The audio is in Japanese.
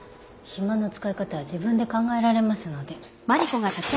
暇の使い方は自分で考えられますので。